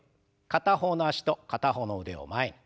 片方の脚と片方の腕を前に。